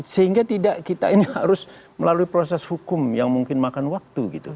sehingga tidak kita ini harus melalui proses hukum yang mungkin makan waktu gitu